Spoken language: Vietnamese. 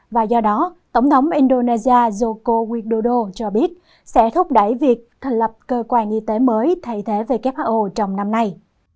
và do đó tổng thống indonesia joko widodo cho biết sẽ thúc đẩy việc thành lập cơ quan y tế mới thay thế who trong năm nay